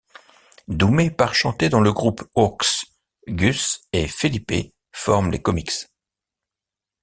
Doumé part chanter dans le groupe Hoax, Gus et Félipé forment les Comix.